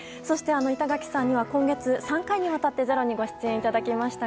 板垣さんには今月３回にわたって「ｚｅｒｏ」にご出演いただきました。